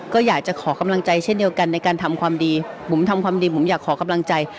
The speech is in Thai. ก็อยากจะขอกำลังใจเช่นเดียวกันในการทำความดีบุ๋มทำความดีผมอยากขอกำลังใจ